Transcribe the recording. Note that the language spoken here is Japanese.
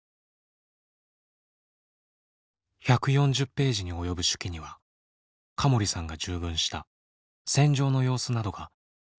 １４０ページに及ぶ手記には可盛さんが従軍した戦場の様子などが挿絵とともにまとめられています。